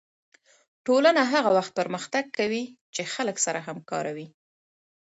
ټولنه هغه وخت پرمختګ کوي چې خلک سره همکاره وي